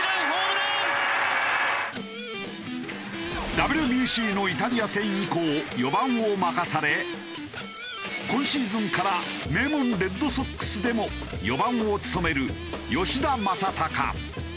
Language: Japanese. ＷＢＣのイタリア戦以降４番を任され今シーズンから名門レッドソックスでも４番を務める吉田正尚。